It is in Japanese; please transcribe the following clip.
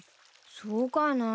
そうかな？